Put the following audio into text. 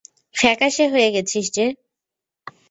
ফ্যাকাশে হয়ে গেছিস যে।